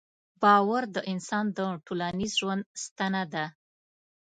باور د انسان د ټولنیز ژوند ستنه ده.